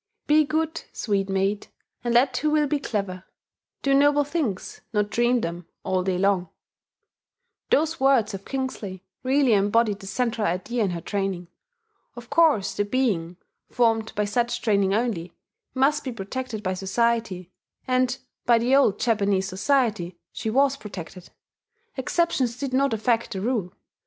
"Be good, sweet maid, and let who will be clever: do noble things, not dream them, all day long" those words of Kingsley really embody the central idea in her training. Of course the being, formed by such training only, must be protected by society; and by the old Japanese society she was protected. Exceptions did not affect the rule.